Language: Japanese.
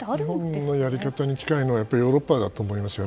日本のやり方に近いのはヨーロッパだと思います。